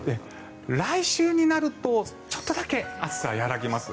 来週になるとちょっとだけ暑さが和らぎます。